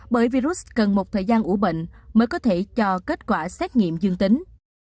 bởi virus cần một thời gian ủ bệnh mới có thể cho kết quả xét nghiệm dương tính